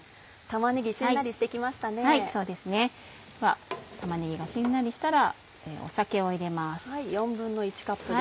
玉ねぎがしんなりしたら酒を入れます。